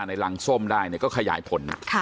ในรังส้มได้ก็ขยายผล